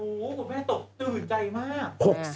โอ้โหคุณแม่ตกตื่นใจมาก